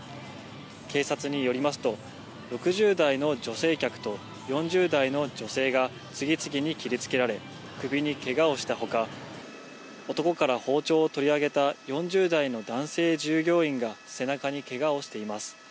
警察によりますと、６０代の女性客と４０代の女性が、次々に切りつけられ、首にけがをしたほか、男から包丁を取り上げた４０代の男性従業員が背中にけがをしています。